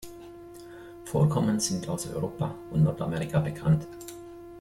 Vorkommen sind aus Europa und Nordamerika bekannt.